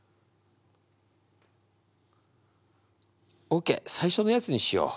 オッケー最初のやつにしよう。